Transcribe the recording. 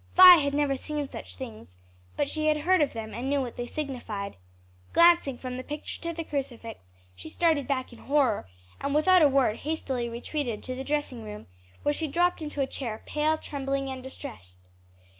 Vi had never seen such things, but she had heard of them and knew what they signified. Glancing from the picture to the crucifix, she started back in horror, and without a word hastily retreated to the dressing room, where she dropped into a chair, pale, trembling and distressed.